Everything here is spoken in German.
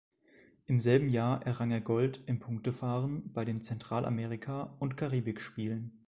Im selben Jahr errang er Gold im Punktefahren bei den Zentralamerika- und Karibikspielen.